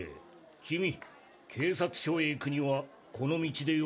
君警察署へ行くにはこの道でよろしいのかね？